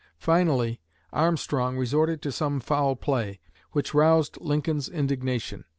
Finally Armstrong resorted to some foul play, which roused Lincoln's indignation.